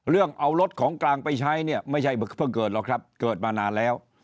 เรื่องเอารถของกลางไปใช้เนี่ยไม่ใช่เพิ่งเกิดหรอกครับเกิดมานานแล้ว